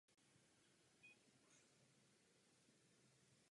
Celý objekt byl obehnán hradbou.